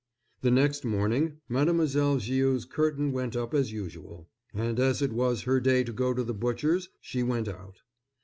The next morning Mademoiselle Viau's curtain went up as usual, and as it was her day to go to the butcher's she went out.